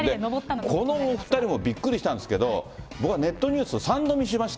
この２人もびっくりしたんですけど、僕はネットニュース、３度見しました。